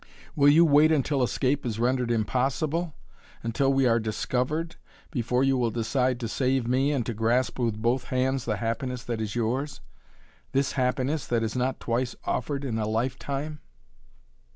Will you wait until escape is rendered impossible, until we are discovered, before you will decide to save me and to grasp with both hands the happiness that is yours; this happiness that is not twice offered in a lifetime?"